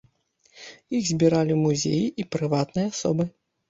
Іх збіралі музеі і прыватныя асобы.